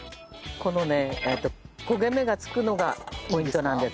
このね焦げ目がつくのがポイントなんですね。